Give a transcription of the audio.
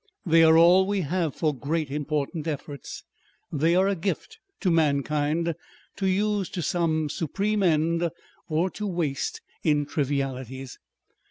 They are all we have for great important efforts. They are a gift to mankind to use to some supreme end or to waste in trivialities.